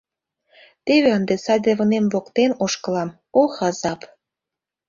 Теве ынде саде вынем воктен ошкылам, ох азап!